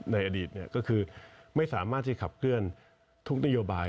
ในอดีตก็คือไม่สามารถที่ขับเคลื่อนทุกนโยบาย